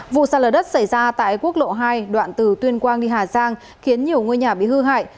vụ sạt lở đất xảy ra tại quốc lộ hai đoạn từ tuyên quang đi hà giang khiến nhiều ngôi nhà bị hư hại